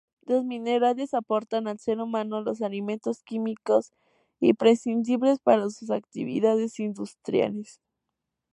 Los minerales aportan al ser humano los elementos químicos imprescindibles para sus actividades industriales.